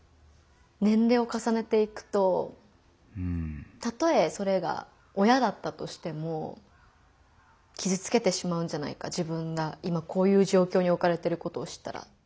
年齢をかさねていくとたとえそれが親だったとしても傷つけてしまうんじゃないか自分が今こういう状況におかれてることを知ったら。